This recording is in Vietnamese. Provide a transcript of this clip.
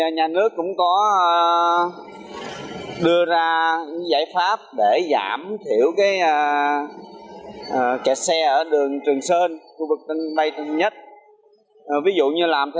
nhà nước cũng có đưa ra giải pháp để giảm thiểu kẻ xe ở đường trường sơn khu vực tân bay tân sơn nhất